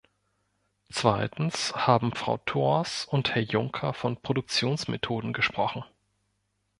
Zweitens haben Frau Thors und Herr Junker von Produktionsmethoden gesprochen.